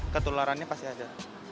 ketularannya pasti ada